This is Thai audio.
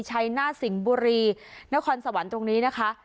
ชัยหน้าสิงห์บุรีนครสวรรค์ตรงนี้นะคะ